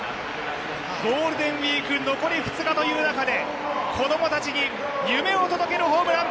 ゴールデンウイーク残り２日という中で子供たちに夢を届けるホームラン。